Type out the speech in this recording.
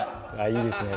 いいですね